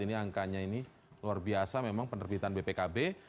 ini angkanya ini luar biasa memang penerbitan bpkb